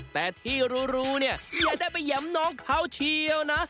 แต่ที่รู้เนี่ยอย่าได้ไปแหม่มน้องเขาเชียวนะ